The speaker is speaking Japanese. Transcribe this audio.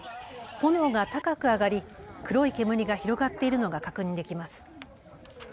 炎が高く上がり、黒い煙が広がっているのが確認できます。